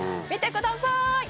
「見てください！」